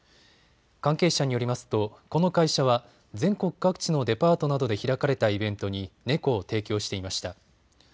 関係者によりますとこの会社は全国各地のデパートなどで開かれたイベントに猫を提供していました。